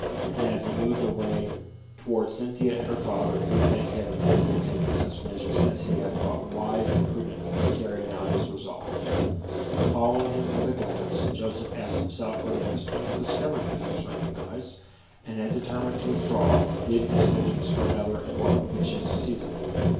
And as he moved away towards Cynthia and her father, he thanked Heaven that he had taken such measures as he had thought wise and prudent for the carrying out of his resolve. Following him with a glance, Joseph asked himself whether Crispin had discovered that he was recognized, and had determined to withdraw, leaving his vengeance for another and more propitious season.